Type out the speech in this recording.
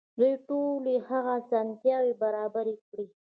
دوی ټولې هغه اسانتياوې برابرې کړې.